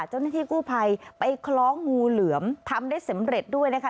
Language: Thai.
เจ้าหน้าที่กู้ภัยไปคล้องงูเหลือมทำได้สำเร็จด้วยนะคะ